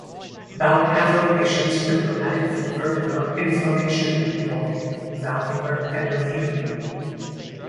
About half of patients with rheumatic fever develop inflammation involving valvular endothelium.